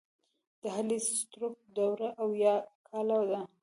د هالی ستورک دوره اويا کاله ده.